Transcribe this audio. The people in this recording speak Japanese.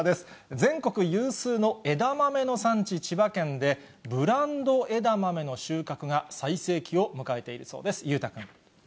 全国有数の枝豆の産地、千葉県で、ブランド枝豆の収穫が最盛期を迎えているそうです。